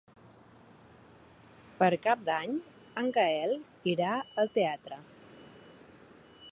Per Cap d'Any en Gaël irà al teatre.